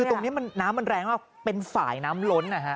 คือตรงนี้น้ำมันแรงมากเป็นฝ่ายน้ำล้นนะฮะ